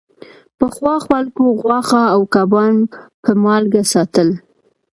پخوا خلکو غوښه او کبان په مالګه ساتل.